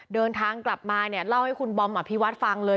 เดินทางกลับมาเนี่ยเล่าให้คุณบอมอภิวัตฟังเลย